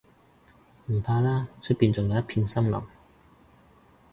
唔怕啦，出面仲有一片森林